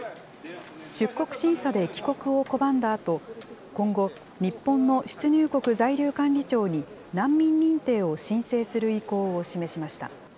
出国審査で帰国を拒んだあと、今後、日本の出入国在留管理庁に難民認定を申請する意向を示しました。